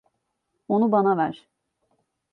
Onu bana ver.